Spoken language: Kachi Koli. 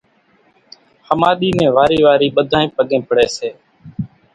ۿماۮِي نين وارِي وارِي ٻڌانئين پڳين پڙي سي